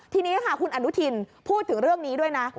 ทีนี้ค่ะคุณอนุทินพูดถึงเรื่องนี้ด้วยนะ